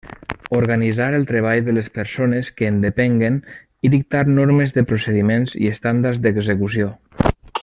Organitzar el treball de les persones que en depenguen i dictar normes de procediments i estàndards d'execució.